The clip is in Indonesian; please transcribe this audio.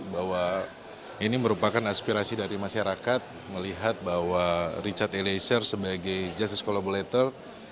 bahwa ini merupakan aspirasi dari masyarakat melihat bahwa richard eliezer sebagai justice collaborator